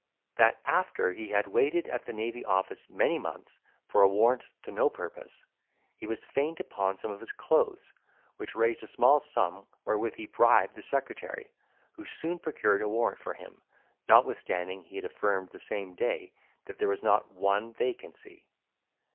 That after he had waited at the Navy Office many months for a warrant to no purpose, he was fain to pawn some of his clothes, which raised a small sum wherewith he bribed the secretary, who soon procured a warrant for him, notwithstanding he had affirmed the same day, that there was not one vacancy.